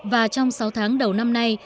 và trong sáu tháng đầu năm nay